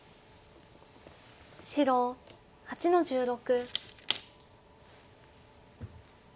白８の十六。